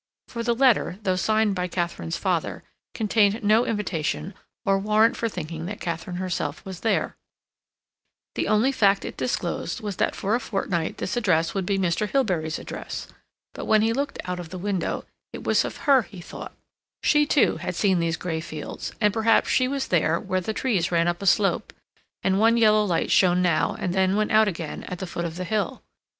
For the letter, though signed by Katharine's father, contained no invitation or warrant for thinking that Katharine herself was there; the only fact it disclosed was that for a fortnight this address would be Mr. Hilbery's address. But when he looked out of the window, it was of her he thought; she, too, had seen these gray fields, and, perhaps, she was there where the trees ran up a slope, and one yellow light shone now, and then went out again, at the foot of the hill.